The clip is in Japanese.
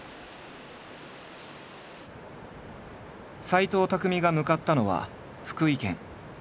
斎藤工が向かったのは福井県。